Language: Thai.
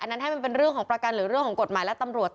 นั้นให้มันเป็นเรื่องของประกันหรือเรื่องของกฎหมายและตำรวจ